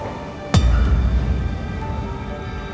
kamu tenang aja